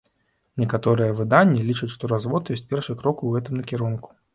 Некаторыя выданні лічаць, што развод ёсць першы крок у гэтым накірунку.